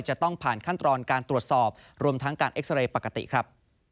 จะต้องผ่านขั้นตอนการตรวจสอบรวมทั้งการเอ็กซาเรย์ปกติครับ